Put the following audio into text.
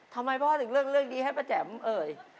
ทำไมพ่อถึงเลือกเรื่องนี้ให้ป้าแจ๋มเอ่ย